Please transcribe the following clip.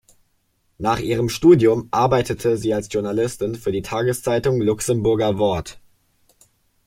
Nach ihrem Studium arbeitete sie als Journalistin für die Tageszeitung "Luxemburger Wort".